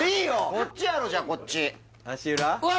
こっちやろじゃあこっちうわ！